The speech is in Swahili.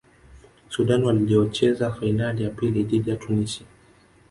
sudan waliocheza fainali ya pili dhidi ya tunisia